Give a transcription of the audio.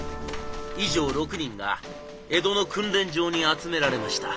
以上６人が江戸の訓練場に集められました。